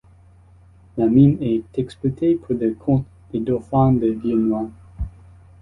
La mine est exploitée pour le compte des dauphins de Viennois.